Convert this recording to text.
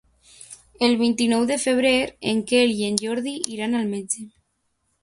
El vint-i-nou de febrer en Quel i en Jordi iran al metge.